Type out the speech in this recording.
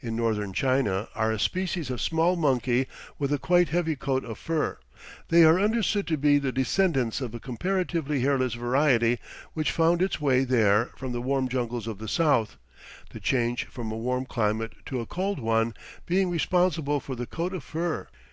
In Northern China are a species of small monkey with a quite heavy coat of fur. They are understood to be the descendants of a comparatively hairless variety which found its way there from the warm jungles of the South, the change from a warm climate to a cold one being responsible for the coat of fur.